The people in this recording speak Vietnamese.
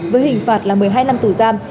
với hình phạt là một mươi hai năm tù giam